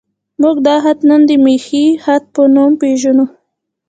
موږ دا خط نن د میخي خط په نوم پېژنو.